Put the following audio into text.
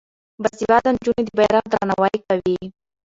باسواده نجونې د بیرغ درناوی کوي.